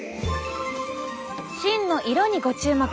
芯の色にご注目！